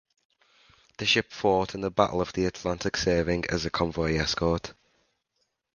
The ship fought in the Battle of the Atlantic serving as a convoy escort.